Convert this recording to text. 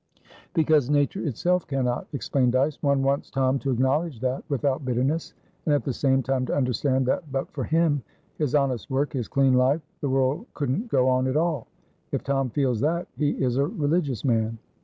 "Because nature itself cannot," explained Dyce. "One wants Tom to acknowledge that, without bitterness, and at the same time to understand that, but for him, his honest work, his clean life, the world couldn't go on at all. If Tom feels that, he is a religious man."